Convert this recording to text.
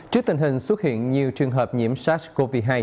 trước tình hình xuất hiện nhiều trường hợp nhiễm sars cov hai